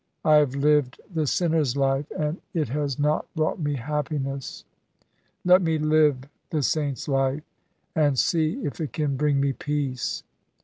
I have lived the sinner's life, and it has not brought me happiness. Let me live the saint's life, and see if it can bring me peace.